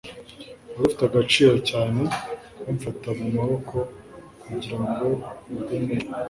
wari ufite agaciro cyane kumfata mumaboko kugirango ugumeyo